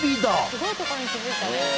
すごいとこに気付いたね。ね。